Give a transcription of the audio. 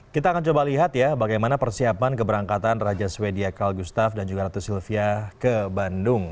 kita akan coba lihat ya bagaimana persiapan keberangkatan raja sweden call gustav dan juga ratu sylvia ke bandung